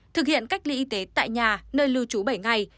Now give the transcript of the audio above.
thực hiện cách ly y tế tại nhà nơi lưu trú bảy ngày